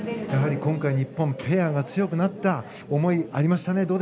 やはり今回、日本ペアが強くなった思い、ありましたね。